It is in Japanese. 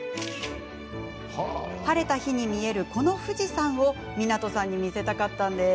晴れた日に見える、この富士山を湊さんに見せたかったのです。